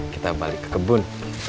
kita balik ke kebun